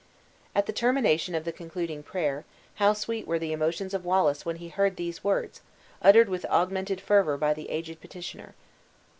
At the termination of the concluding prayer, how sweet were the emotions of Wallace when he heard these words, uttered with augmented fervor by the aged petitioner!